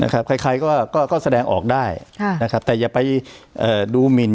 นะครับใครใครก็ก็ก็แสดงออกได้ค่ะนะครับแต่อย่าไปเอ่อดูหมิน